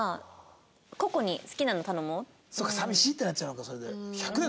そうか寂しいってなっちゃうのかそれで。